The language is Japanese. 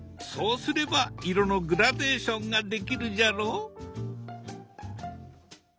そうすれば色のグラデーションができるじゃろ？